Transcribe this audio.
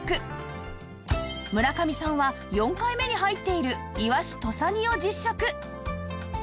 村上さんは４回目に入っているイワシ土佐煮を実食